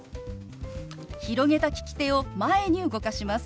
広げた利き手を前に動かします。